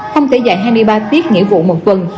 không thể dạy hai mươi ba tiết nghĩa vụ một tuần